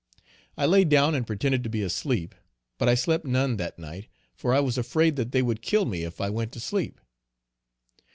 I laid down and pretended to be asleep, but I slept none that night, for I was afraid that they would kill me if I went to sleep.